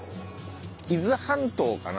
伊豆半島かな？